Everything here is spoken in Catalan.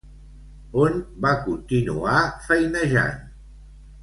On va continuar feinejant?